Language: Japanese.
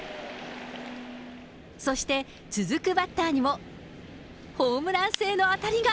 そして、続くバッターにもホームラン性の当たりが。